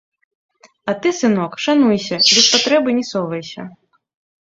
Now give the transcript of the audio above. А ты, сынок, шануйся, без патрэбы не совайся.